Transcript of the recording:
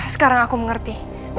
sekarang aku mengerti